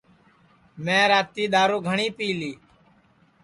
میں راتی دؔارُو گھٹؔی پی لی